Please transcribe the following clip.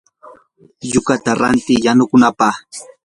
yukata ranti yanukunapaq.